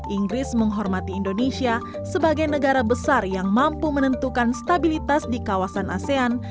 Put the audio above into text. inggris menghormati indonesia sebagai negara besar yang mampu menentukan stabilitas di kawasan asean